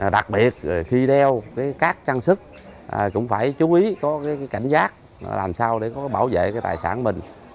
đặc biệt khi đeo các trang sức cũng phải chú ý có cảnh giác làm sao để có bảo vệ cái tài sản mình